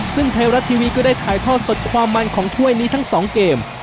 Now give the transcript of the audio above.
ซึ่งไทยรัฐทีวีก็ได้ถ่ายทอดสดความมันของถ้วยนี้ทั้ง๒เกม